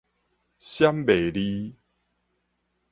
閃袂離